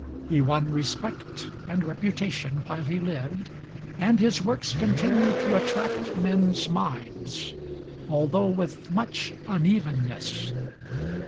He won respect and reputation while he lived; and his works continue to attract men's minds, although with much unevenness.